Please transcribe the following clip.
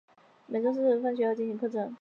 于每周四放学后进行课程。